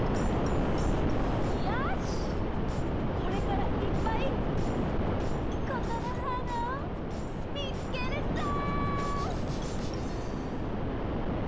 これからいっぱい「ことのはーな」をみつけるぞ！